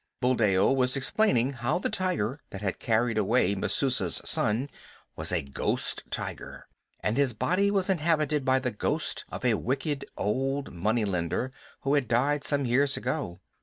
Buldeo was explaining how the tiger that had carried away Messua's son was a ghost tiger, and his body was inhabited by the ghost of a wicked, old money lender, who had died some years ago.